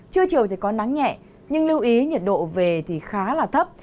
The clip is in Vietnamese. trưa chiều thì có nắng nhẹ nhưng lưu ý nhiệt độ về thì khá là thấp